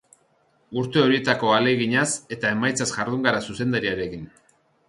Urte horietako ahaleginaz, eta emaitzaz jardun gara zuzendariarekin.